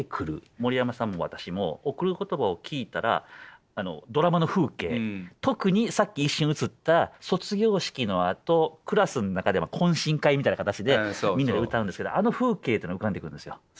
森山さんも私も「贈る言葉」を聴いたらドラマの風景特にさっき一瞬映った卒業式のあとクラスの中で懇親会みたいな形でみんなで歌うんですけどあの風景というのが浮かんでくるんですよ。